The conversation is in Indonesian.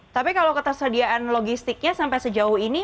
tapi kalau ketersediaan logistiknya sampai sejauh ini